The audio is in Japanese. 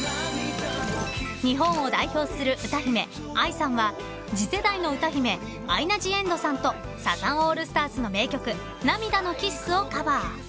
［日本を代表する歌姫ＡＩさんは次世代の歌姫アイナ・ジ・エンドさんとサザンオールスターズの名曲『涙のキッス』をカバー］